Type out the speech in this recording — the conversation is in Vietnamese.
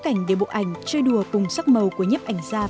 thì nó dễ thương